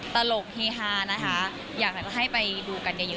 ตลกฮีฮานะคะอยากให้ไปดูกันเยอะนะครับ